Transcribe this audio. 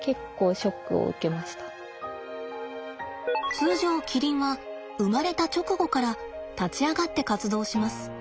通常キリンは生まれた直後から立ち上がって活動します。